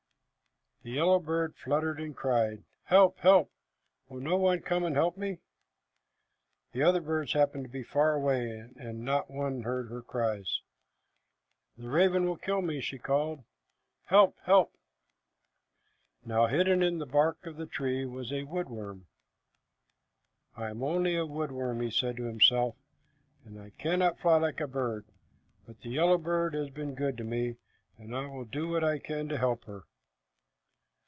The yellow bird fluttered and cried, "Help, help! Will no one come and help me!" The other birds happened to be far away, and not one heard her cries. "The raven will kill me," she called. "Help, help!" Now hidden in the bark of a tree was a wood worm. "I am only a wood worm," he said to himself, "and I cannot fly like a bird, but the yellow bird has been good to me, and I will do what I can to help her."